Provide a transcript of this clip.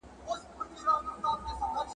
د کور غل د لستوڼي مار وي `